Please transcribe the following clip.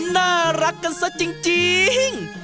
น่ารักกันซะจริง